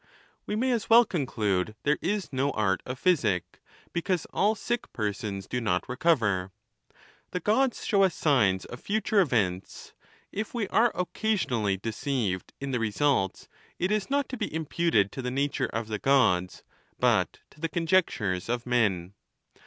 We may as well conclude there is no art of physic, because all sick persons do not recover. The Gods show us signs of future events ; if we are occasionally deceived in the results, it is not to be imputed to the nature of the Gods, but to the conjectures of men.